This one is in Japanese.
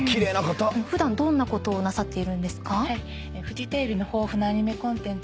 普段どんなことをなさっているんですか？